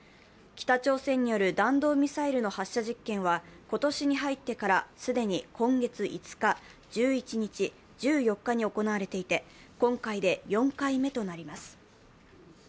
北朝鮮による弾道ミサイルの発射実験は今年に入ってから、既に今月５日、１１日、１４日に行われていて今回で４回目となります。